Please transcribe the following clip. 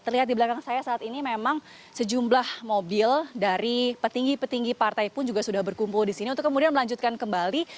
terlihat di belakang saya saat ini memang sejumlah mobil dari petinggi petinggi partai pun juga sudah berkumpul di sini untuk kemudian melanjutkan kembali